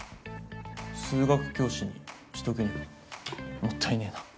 数学教師にしとくにはもったいねえな。